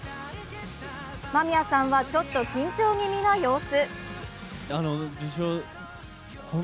間宮さんはちょっと緊張気味な様子。